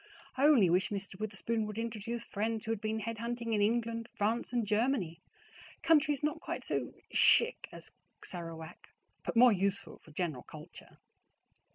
I only wish Mr. Witherspoon would introduce friends who had been head hunting in England, France, and Germany, countries not quite so CHIC as Sarawak, but more useful for general culture.